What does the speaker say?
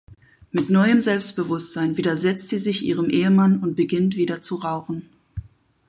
Mit neuem Selbstbewusstsein widersetzt sie sich ihrem Ehemann und beginnt wieder zu rauchen.